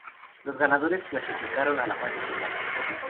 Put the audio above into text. Los ganadores clasificaron a la fase final.